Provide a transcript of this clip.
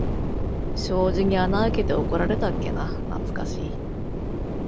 障子に穴あけて怒られたっけな、なつかしい。